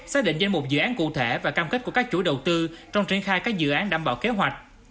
xác định danh mục dự án cụ thể và cam kết của các chủ đầu tư trong triển khai các dự án đảm bảo kế hoạch